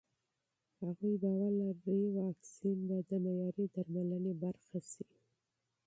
هغې باور لري واکسین به د معیاري درملنې برخه شي.